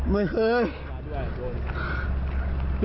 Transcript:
ไม่เคย